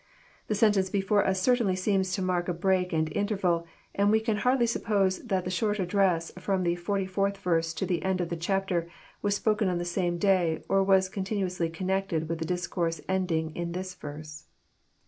The sentence before us cer tainly seems to mark a break and interval, and we can hardly suppose that the short address from the forty fourth verse to the end of the chapter was spoken the same day, or was contin uously connected with the discourse ending in this verse.